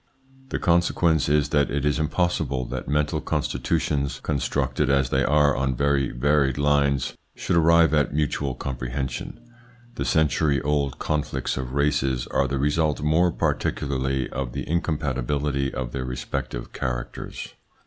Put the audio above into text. The con sequence is that it is impossible that mental constitutions, constructed as they are on very varied lines, should arrive at mutual comprehension. The century old conflicts of races are the result more particularly of the incompatibility of their respective characters.